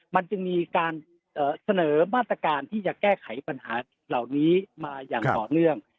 มันจึงมีการเสนอมาตรการที่จะแก้ไขปัญหาเหล่านี้มาอย่างต่อเนื่อง